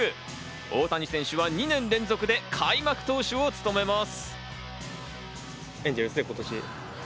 大谷選手は２年連続で開幕投手を務めます。